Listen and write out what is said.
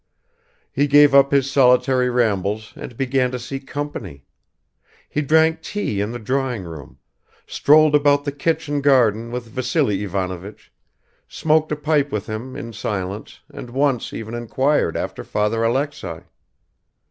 He gave up his solitary rambles and began to seek company; he drank tea in the drawing room, strolled about the kitchen garden with Vassily Ivanovich, smoked a pipe with him in silence and once even inquired after Father Alexei.